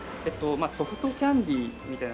ソフトキャンディーみたいな。